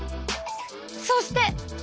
そして！